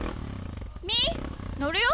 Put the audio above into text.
みーのるよ。